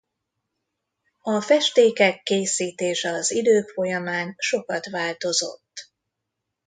A festékek készítése az idők folyamán sokat változott.